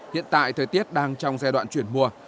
hiện tại thời tiết đang trong giai đoạn chuyển mùa